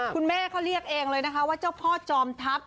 คุณแม่เขาเรียกเองเลยนะคะว่าเจ้าพ่อจอมทัพ